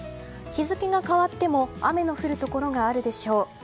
日付が変わっても雨の降るところがあるでしょう。